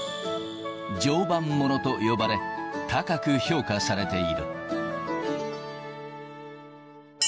常磐ものと呼ばれ、高く評価されている。